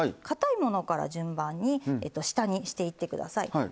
かたいものから順番に下にしていってください。